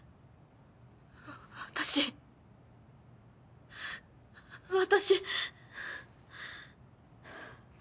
私私。